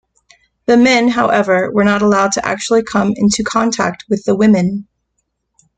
The men, however, were not allowed to actually come into contact with the women.